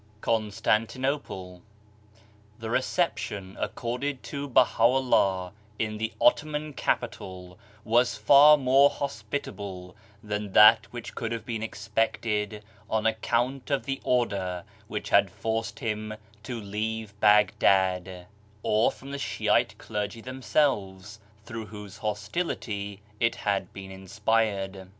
CONSTANTINOPLE The reception accorded to Baha'u'llah in the Ottoman capital was far more hospitable than that which could have been expected on account of the order which had forced him to leave Baghdad, or from the Shiite clergy themselves, through whose hostility it had been in spired.